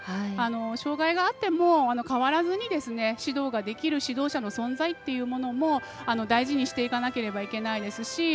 障がいがあっても変わらずに指導ができる指導者の存在っていうものも大事にしていかないといけないですし。